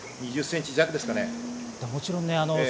２０センチ弱ですかね。